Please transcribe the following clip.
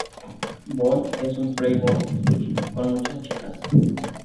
Bond es un playboy con muchas chicas.